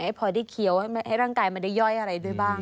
พลอยได้เคี้ยวให้ร่างกายมันได้ย่อยอะไรด้วยบ้าง